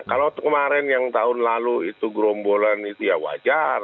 kalau kemarin yang tahun lalu itu gerombolan itu ya wajar